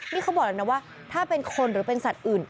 นี่เขาบอกเลยนะว่าถ้าเป็นคนหรือเป็นสัตว์อื่น